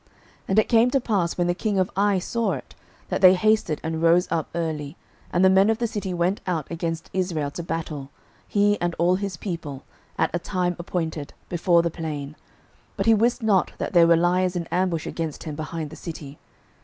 06:008:014 And it came to pass, when the king of Ai saw it, that they hasted and rose up early, and the men of the city went out against Israel to battle, he and all his people, at a time appointed, before the plain; but he wist not that there were liers in ambush against him behind the city.